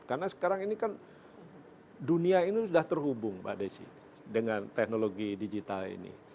karena sekarang ini kan dunia ini sudah terhubung pak desi dengan teknologi digital ini